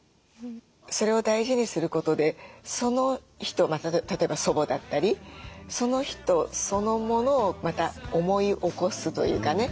それを大事にすることでその人例えば祖母だったりその人そのものをまた思い起こすというかね。